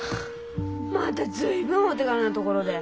また随分お手軽なところで。